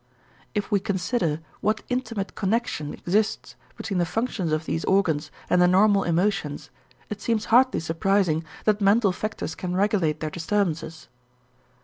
If we consider what intimate connection exists between the functions of these organs and the normal emotions, it seems hardly surprising that mental factors can regulate their disturbances.